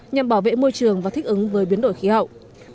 nhằm bảo vệ môi trường và thích ứng với biến đổi khí hậu